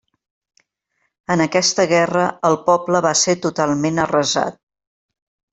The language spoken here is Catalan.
En aquesta guerra el poble va ser totalment arrasat.